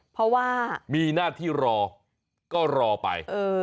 เพราะว่ามีหน้าที่รอก็รอไป